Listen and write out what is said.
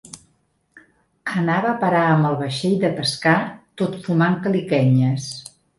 Anava a parar amb el vaixell de pescar, tot fumant caliquenyes.